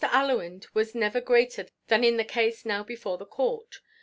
Allewinde was never greater than in the case now before the court.